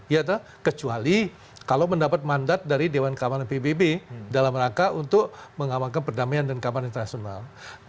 ya kan kecuali kalau mendapat mandat dari dewan kamanan pbb dalam rangka untuk mengawankan perdamaian dan kamanan internasional